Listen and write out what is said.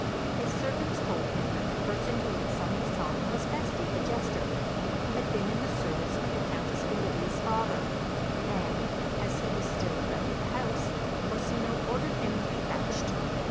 His servants told him that the person who had sung the song was Feste the jester, who had been in the service of the Countess Olivia's father, and, as he was still about the house, Orsino ordered him to be fetched.